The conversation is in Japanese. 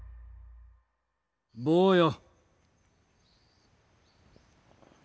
坊よ。